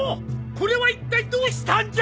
これはいったいどうしたんじゃ！？